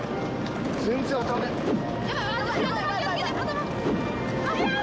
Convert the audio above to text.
全然当たんねっ・